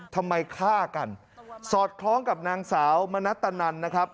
ทำไมฆ่ากันสอดคล้องกับนางสาวมณัตนันนะครับ